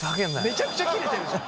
めちゃくちゃ切れてるじゃん。